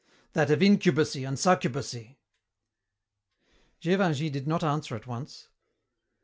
"That of incubacy and succubacy." Gévingey did not answer at once.